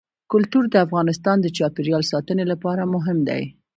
کلتور د افغانستان د چاپیریال ساتنې لپاره مهم دي.